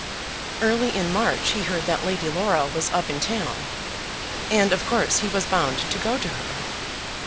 Early in March he heard that Lady Laura was up in town, and of course he was bound to go to her.